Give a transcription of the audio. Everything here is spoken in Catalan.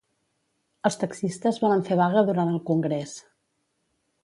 Els taxistes volen fer vaga durant el congrés.